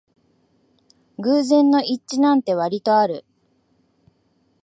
偶然の一致なんてわりとある